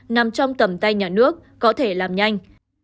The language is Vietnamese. nằm trong tầm tay nhà nước có thể làm nhanh